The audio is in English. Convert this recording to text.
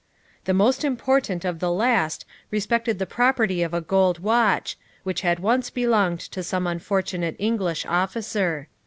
The most important of the last respected the property of a gold watch, which had once belonged to some unfortunate English officer.